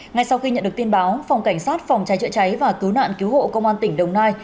ngay sau khi nhận được tin báo phòng cảnh sát phòng cháy chữa cháy và cứu nạn cứu hộ công an tỉnh đồng nai